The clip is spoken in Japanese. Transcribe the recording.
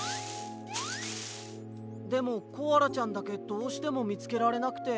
でもコアラちゃんだけどうしてもみつけられなくて。